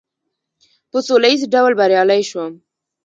په سوله ایز ډول بریالی شوم.